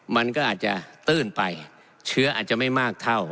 มันก็อาจจะตื้นไปเชื้ออาจจะไม่มากเท่า